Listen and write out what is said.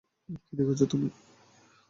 কী দেখছো তুমি?